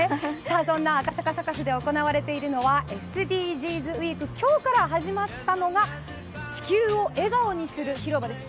そんな赤坂サカスで行われているのはＳＤＧｓウイーク、今日から始まったのが、地球を笑顔にする広場です。